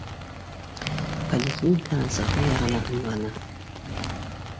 Поликлиниканан сығыу яғына ымланы.